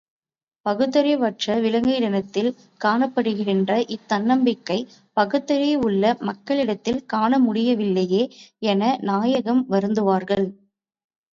பகுத்தறிவற்ற விலங்கினிடத்தில் காணப்படுகின்ற இத்தன்னம்பிக்கை பகுத்தறிவுள்ள மக்களிடத்தில் காண முடியவில்லையே என நாயகம் வருந்துவார்கள்.